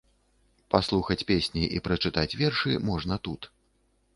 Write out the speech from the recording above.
Паслухаць песні і прачытаць вершы можна тут.